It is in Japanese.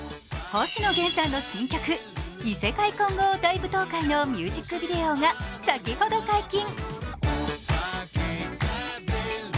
星野源さんの新曲、「異世界混合大舞踏会」のミュージックビデオが先ほど解禁。